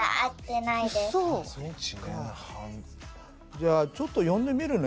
じゃあちょっと呼んでみるね。